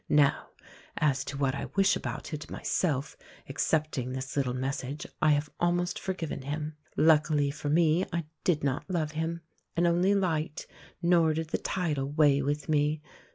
Now as to what I wish about it myself, excepting this little message, I have almost forgiven him. Luckily for me I did not love him, and only liked, nor did the title weigh with me.